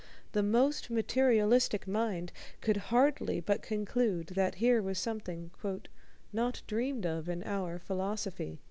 The most materialistic mind could hardly but conclude that here was something "not dreamed of in our philosophy."